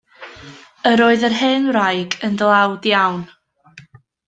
Yr oedd yr hen wraig yn dlawd iawn.